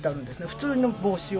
普通の帽子を。